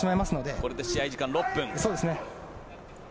これで試合時間６分。